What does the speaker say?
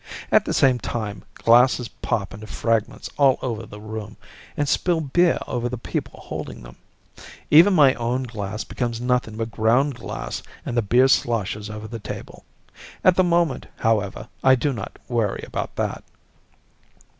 At the same time, glasses pop into fragments all over the room and spill beer over the people holding them. Even my own glass becomes nothing but ground glass and the beer sloshes over the table. At the moment, however, I do not worry about that.